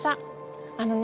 あのね。